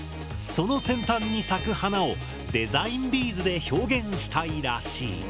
その先端に咲く花をデザインビーズで表現したいらしい。